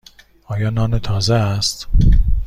آیا نان تازه است؟